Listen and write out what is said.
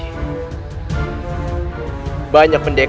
kau tidak boleh gegabah seperti ini lagi